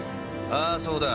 ああそうだ。